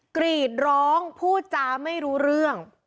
กรีดร้องพูดจาไม่รู้เรื่อง